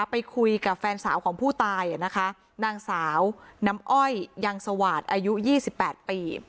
ไปคุยกับแฟนสาวของผู้ตายนะคะนางสาวน้ำอ้อยยังสวาดอายุ๒๘ปี